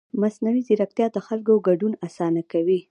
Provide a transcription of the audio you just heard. مصنوعي ځیرکتیا د خلکو ګډون اسانه کوي.